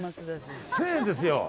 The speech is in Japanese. １０００円ですよ。